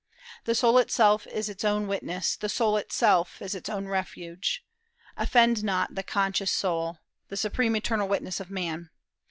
The soul itself is its own witness, the soul itself is its own refuge; offend not thy conscious soul, the supreme internal witness of man